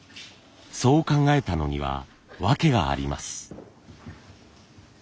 そう考えたのには訳があります。